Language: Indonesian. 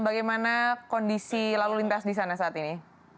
bagaimana kondisi lalu lintas di sana saat ini